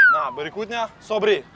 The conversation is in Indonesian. nah berikutnya sobri